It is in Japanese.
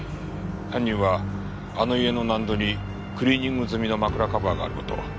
犯人はあの家の納戸にクリーニング済みの枕カバーがある事を。